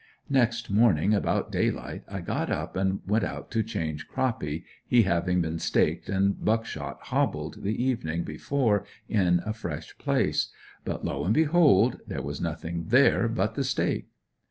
Next morning about daylight I got up and went out to change Croppy, he having been staked and Buckshot hobbled the evening before, in a fresh place, but lo, and behold! there was nothing there but the stake.